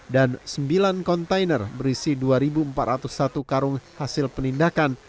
dan sembilan kontainer berisi dua empat ratus satu karung hasil penindakan